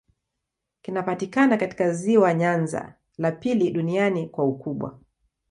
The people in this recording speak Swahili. Kinapatikana katika ziwa Nyanza, la pili duniani kwa ukubwa.